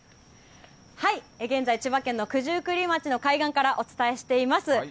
現在、千葉県の九十九里町の海岸からお伝えしています。